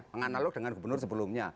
menganalog dengan gubernur sebelumnya